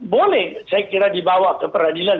boleh saya kira dibawa ke peradilan